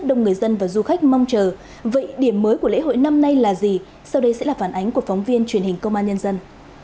đông người dân và du khách mong chờ vậy điểm mới của lễ hội năm nay là gì sau đây sẽ là phản ánh của phóng viên truyền hình công an nhân dân